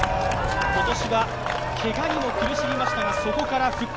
今年はけがにも苦しみましたが、そこから復活。